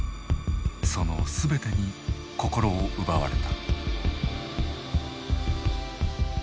その全てに心を奪われた。